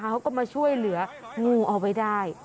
เขาก็มาช่วยเหลืองูเอาไว้ได้